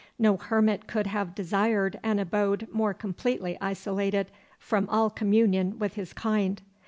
No hermit could have desired an abode more completely isolated from all communion with his kind.